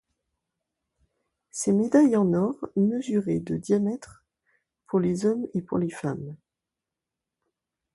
Ces médailles en or mesuraient de diamètres pour les hommes et pour les femmes.